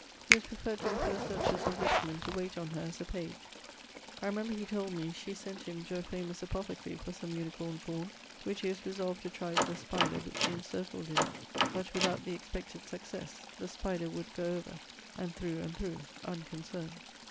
He was preferred to the first dutches of Richmond to wayte on her as a page. I remember he told me, she sent him to a famous apothecary for some Unicornes horne, which he was resolved to try with a spider which he incircled in it, but without the expected successe; the spider would goe over, and thorough and thorough, unconcerned.